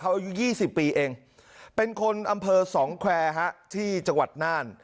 อายุ๒๐ปีเองเป็นคนอำเภอสองแควร์ฮะที่จังหวัดน่าน